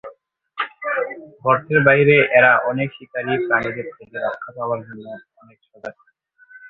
গর্তের বাইরে এরা অনেক শিকারী প্রাণীদের থেকে রক্ষা পাবার জন্য অনেক সজাগ থাকে।